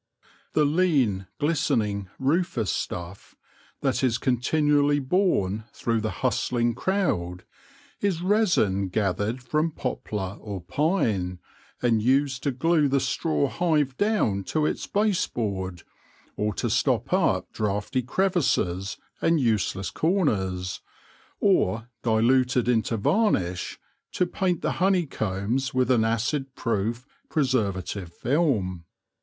The lean, glistening, rufous stuff that is continually borne through the hustling crowd is resin gathered from poplar or pine, and used to glue the straw hive down to its base board, or to stop up draughty crevices and useless corners, or, diluted into varnish, to paint the honeycombs with an acid proof, preservative film.